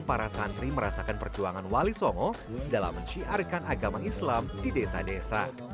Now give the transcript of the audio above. tujuan para santri merasakan perjuangan wali somo dalam menciarkan agama islam di desa desa